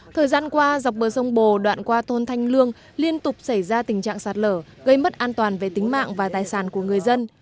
thời gian qua dọc bờ sông bồ đoạn qua tôn thanh lương liên tục xảy ra tình trạng sạt lở gây mất an toàn về tính mạng và tài sản của người dân